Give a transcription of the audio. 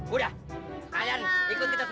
udah enak ya pak